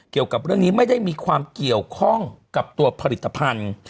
เกี่ยวกับเรื่องนี้ไม่ได้มีความเกี่ยวข้องกับตัวผลิตภัณฑ์